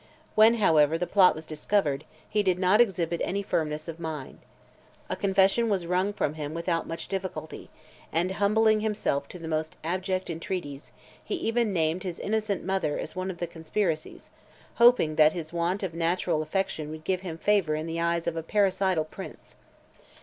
When, however, the plot was discovered, he did not exhibit any firmness of mind. A confession was wrung from him without much difficulty; and, humbling himself to the most abject entreaties, he even named his innocent mother as one of the conspirators ; hoping that his want of natural affection would give him favour in the eyes of a parricidal prince.